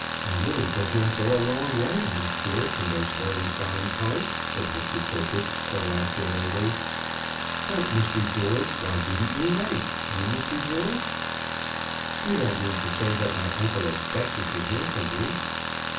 "A little does not go a long way, I'm sure, in those very foreign parts," said Mr. Pritchett, oracularly. "But, Mr. George, why didn't you write, eh, Mr. George?" "You don't mean to say that my uncle expected to hear from me?"